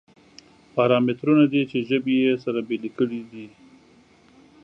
پارامترونه دي چې ژبې یې سره بېلې کړې دي.